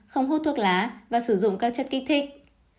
không hút thuốc lá và sử dụng các chất kích thích